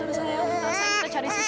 udah aja sayang